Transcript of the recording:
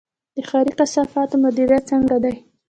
د ښاري کثافاتو مدیریت څنګه دی؟